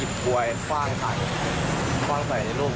หมอฟิว่าอย่ารุ่ม